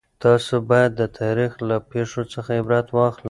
تاسو باید د تاریخ له پېښو څخه عبرت واخلئ.